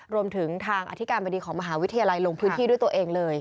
รวมถึงทางอธิการบดีของมหาวิทยาลัยลงพื้นที่ด้วยตัวเองเลย